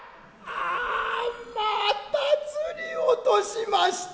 ああまた釣り落としました。